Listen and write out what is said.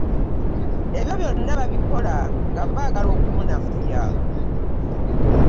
Ebyo byonna babikola nga baagala okumunafuya.